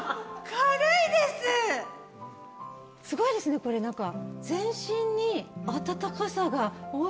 すごいですねこれ何か。